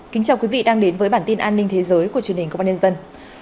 chào mừng quý vị đến với bản tin an ninh thế giới của truyền hình công an nhân dân